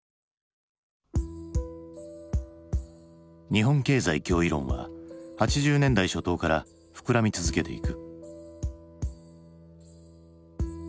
日本経済脅威論は８０年代初頭から膨らみ続けていく。